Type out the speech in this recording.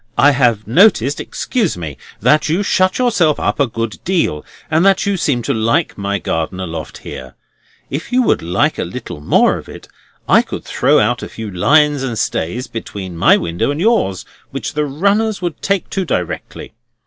"I have noticed (excuse me) that you shut yourself up a good deal, and that you seem to like my garden aloft here. If you would like a little more of it, I could throw out a few lines and stays between my windows and yours, which the runners would take to directly.